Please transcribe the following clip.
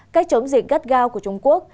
cách chống dịch gắt gao của trung quốc